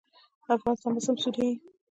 افغانستان به سمسوریږي؟